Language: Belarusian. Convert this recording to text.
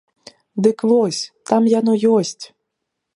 Дык вось, там яно ёсць!